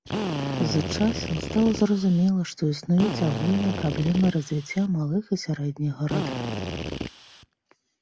З часам стала зразумела, што існуюць агульныя праблемы развіцця малых і сярэдніх гарадоў.